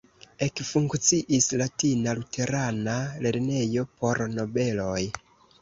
Ekfunkciis latina luterana lernejo por nobeloj.